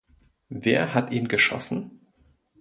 Wer hat ihn geschossen?